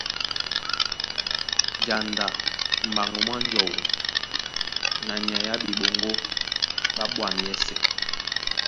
Janda m̀ɓaŋgo mwá njɔu na nyay á ɓeɓoŋgó ɓá ɓwǎm̀ yɛ́sɛ̄.